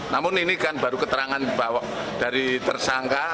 namun ini kan baru keterangan dari tersangka